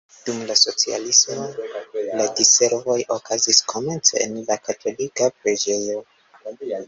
Dum la socialismo la diservoj okazis komence en la katolika preĝejo.